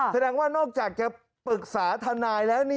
แสดงว่านอกจากจะปรึกษาทนายแล้ว